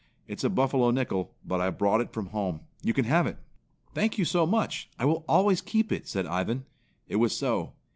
"It's a buffalo nickel, but I brought it from home. You can have it." "Thank you so much. I will always keep it," said Ivan. It was so.